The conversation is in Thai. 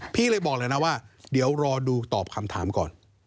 พี่เลยบอกเลยนะว่าเดี๋ยวรอดูตอบคำถามก่อน